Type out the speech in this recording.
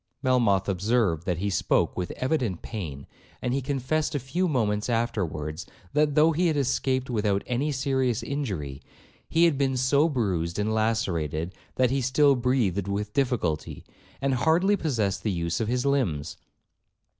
Melmoth observed that he spoke with evident pain, and he confessed a few moments afterwards, that though he had escaped without any serious injury, he had been so bruised and lacerated, that he still breathed with difficulty, and hardly possessed the use of his limbs.